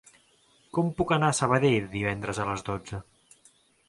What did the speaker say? Com puc anar a Sabadell divendres a les dotze?